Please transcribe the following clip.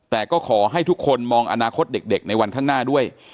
แต่ก็ขอให้ทุกคนมองอนาคตเด็กในวันข้างหน้าด้วย